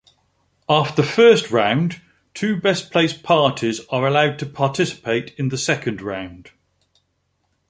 After first round two best-placed parties are allowed to participate in the second round.